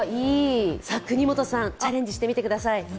國本さん、チャレンジしてみてください。